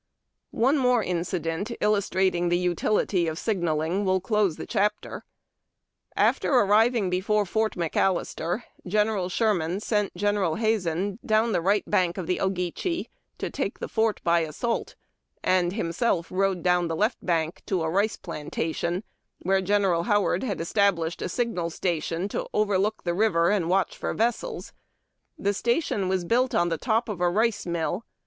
(See frontispiece). One more incident illustrating the utility of signalling will close the chapter :— After arriving before Fort McAllister, General Slierman sent General Hazen down the right bank of the Ogeechee to take the fort by assault, and himself rode down the left bank to a rice plantation, where General Howard had es tablished a signal station to overlook the river and watch for vessels. The station was built on the top of a rice mill.